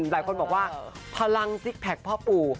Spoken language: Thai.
หลายคนบอกว่าพลังซิกแพคพ่อปู่